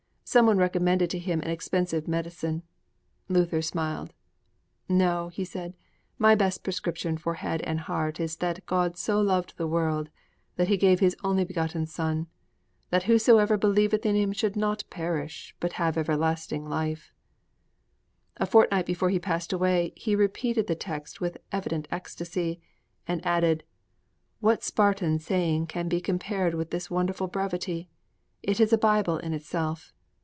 Someone recommended to him an expensive medicine. Luther smiled. 'No,' he said, 'my best prescription for head and heart is that _God so loved the world that He gave His only begotten Son that whosoever believeth in Him should not perish but have everlasting life_.' A fortnight before he passed away, he repeated the text with evident ecstasy, and added, 'What Spartan saying can be compared with this wonderful brevity? It is a Bible in itself!'